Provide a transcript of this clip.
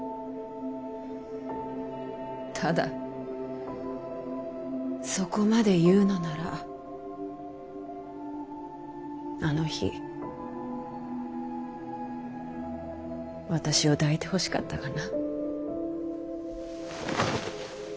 ただそこまで言うのならあの日私を抱いてほしかったがな。